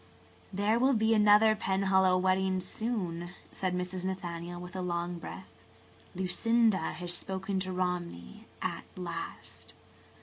" "There will be another Penhallow wedding soon," said Mrs. Nathaniel, with a long breath. "Lucinda has spoken to Romney at last.